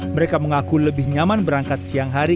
mereka mengaku lebih nyaman berangkat siang hari